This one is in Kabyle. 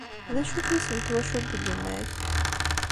D acu-t yisem n twacult n yemma-k?